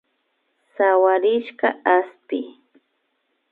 Sawarishka aspi